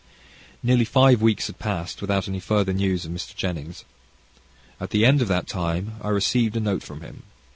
Nearly five weeks had passed without any further news of Mr. Jennings. At the end of that time I received a note from him.